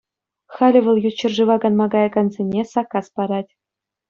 Халӗ вӑл ют ҫӗршыва канма каякансене саккас парать.